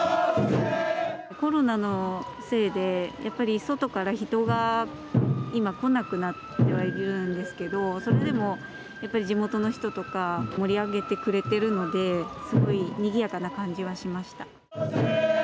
コロナのせいでやっぱり外から人が今来なくなってはいるんですけどそれでもやっぱり地元の人とか盛り上げてくれているんですごいにぎやかな感じがしました。